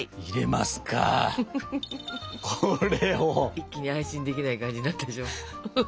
一気に安心できない感じになったでしょ。